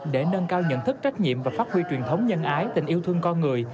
để nâng cao nhận thức trách nhiệm và phát huy truyền thống nhân ái tình yêu thương con người